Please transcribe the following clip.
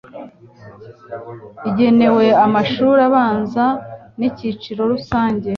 igenewe amashuri abanza n'icyiciro rusange